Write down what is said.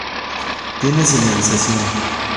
Tiene señalización.